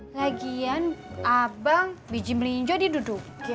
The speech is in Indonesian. lagian abang biji merinjo didudukin